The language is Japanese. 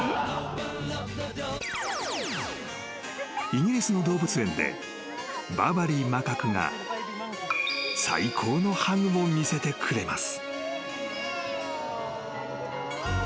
［イギリスの動物園でバーバリーマカクが最高のハグを見せてくれます］